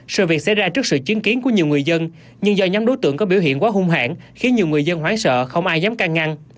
sự việc xảy ra trước sự chứng kiến của nhiều người dân nhưng do nhóm đối tượng có biểu hiện quá hung hãn khiến nhiều người dân hoán sợ không ai dám căng ngăn